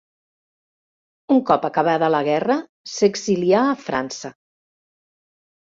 Un cop acabada la guerra s’exilia a França.